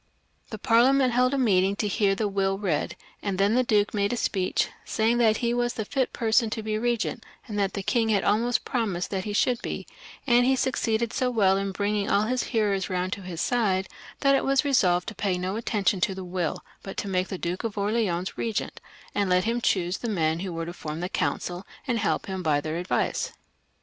The Parliament held a meeting to hear the will read, and then the duke made a speech, saying that he was the fit person to be regent, and that the king had almost pro mised that he should be, and he succeeded so well in bring ing all his hearers round to his side, that it was resolved to pay no attention to the will, but to make the Duke of Orleans regent, and let him choose the men who were to form the council and help him by their advice.